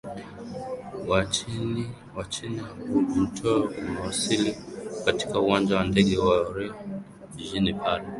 wa china hu jintao amewasili katika uwanja wa ndege wa orel jijini pari